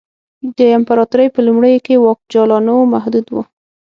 د امپراتورۍ په لومړیو کې واک جالانو محدود و